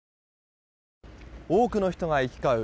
多くの人が行き交う